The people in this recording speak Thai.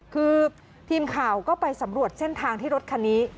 คือทีมข่าวก็ไปสำรวจเส้นทางที่รถคันนี้